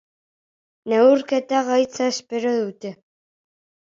Neurketa gaitza espero dute.